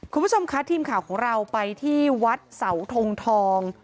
คุณผู้ชมคะทีมข่าวของเราไปที่วัดเสาทงทอง